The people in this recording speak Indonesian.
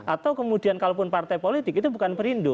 atau kemudian kalau pun partai politik itu bukan perindo